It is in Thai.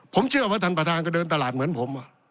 ผมเชื่อว่าท่านประธานก็เดินตลาดเหมือนผม